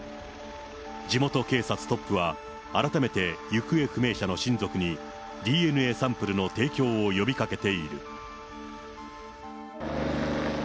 地元警察トップは、改めて行方不明者の親族に、ＤＮＡサンプルの提供を呼びかけている。